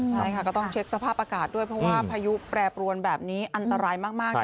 ใช่ค่ะก็ต้องเช็คสภาพอากาศด้วยเพราะว่าพายุแปรปรวนแบบนี้อันตรายมาก